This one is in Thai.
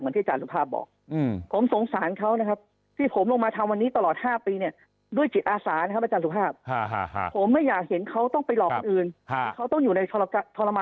เหมือนที่จานสุภาพบอกผมสงสารเขานะครับ